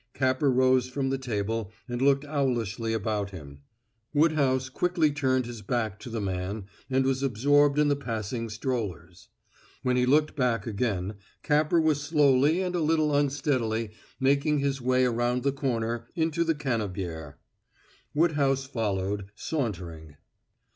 Capper rose from the table and looked owlishly about him. Woodhouse quickly turned his back to the man, and was absorbed in the passing strollers. When he looked back again Capper was slowly and a little unsteadily making his way around the corner into the Cannebière. Woodhouse followed, sauntering.